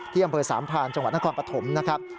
อำเภอสามพานจังหวัดนครปฐมนะครับ